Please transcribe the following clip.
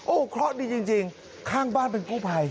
โอ้โหเคราะห์ดีจริงข้างบ้านเป็นกู้ภัย